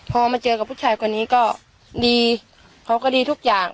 พอมาเจอกับผู้ชายคนนี้ก็ดีเขาก็ดีทุกอย่าง